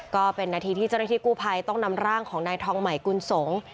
ก็เป็นนาทีที่เจ้าหน้าที่กู้ภัยต้องนำร่างของนายทองใหม่กุลสงฆ์